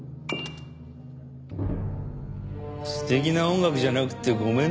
素敵な音楽じゃなくてごめんね。